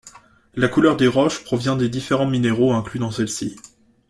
La couleur des roches provient des différents minéraux inclus dans celles-ci.